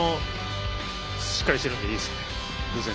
しっかりしているので、いいです。